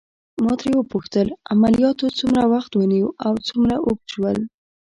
ما ترې وپوښتل: عملياتو څومره وخت ونیو او څومره اوږد شول؟